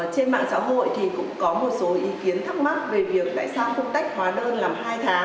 trên mạng xã hội thì cũng có một số ý kiến thắc mắc về việc tại sao không tách hóa đơn làm hai tháng